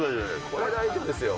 これは大丈夫ですよ。